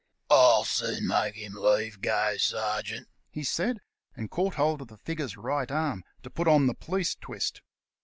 "I'll soon make him lave go, sergeant," he said, and he caught hold of the figure's right arm, to put on the "police twist."